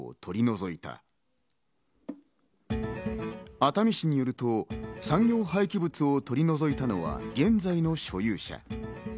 熱海市によると産業廃棄物を取り除いたのは現在の所有者。